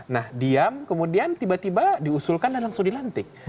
nah diam kemudian tiba tiba diusulkan dan langsung dilantik